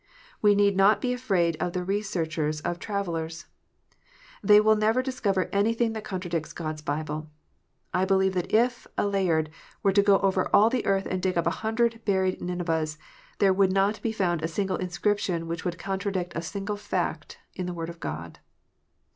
We need not be afraid of the researches of travellers. They will never discover anything that contradicts God s Bible. I believe that if a Layard were to go over all the earth and dig up a hundred buried Ninevehs, there would not be found a single inscription which would contradict a single fact in the Word of God.